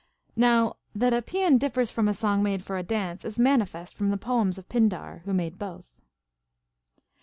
Now that a paean differs from a song made for a dance is manifest from the poems of Pindar, Λνΐιο made both.